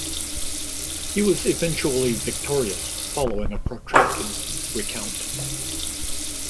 He was eventually victorious, following a protracted recount.